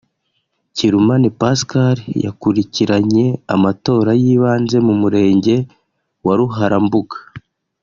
Kirumane Pascal yakurikiranye amatora y’ibanze mu Murenge wa Ruharambuga